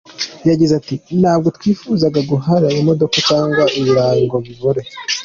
Yagize ati “Ntabwo twifuzaga guhana imodoka cyangwa ibirayi ngo bibore.